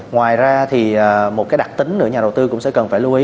ngoài ra thì một cái đặc tính nữa nhà đầu tư cũng sẽ cần phải lưu ý